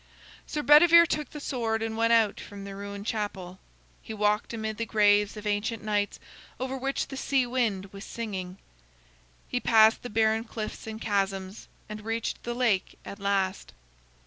Sir Bedivere took the sword and went out from the ruined chapel. He walked amid the graves of ancient knights over which the sea wind was singing. He passed the barren cliffs and chasms, and reached the lake at last.